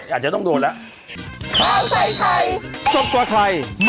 อาจจะต้องโดนละ